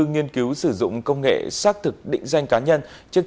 nghiên cứu sử dụng công nghệ xác thực định danh cá nhân trên